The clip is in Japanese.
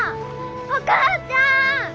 お母ちゃん！